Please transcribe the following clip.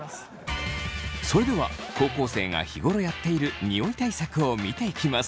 それでは高校生が日頃やっているニオイ対策を見ていきます。